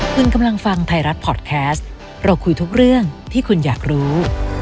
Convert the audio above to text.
คุณกำลังฟังไทยรัฐพอร์ตแคสต์เราคุยทุกเรื่องที่คุณอยากรู้